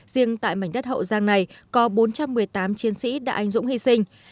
riêng tại mảnh đất hậu giang này có bốn trăm một mươi tám chiến sĩ đã anh dũng hy sinh